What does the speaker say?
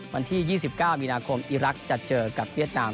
วันที่๒๙มีนาคมอีรักษ์จะเจอกับเวียดนาม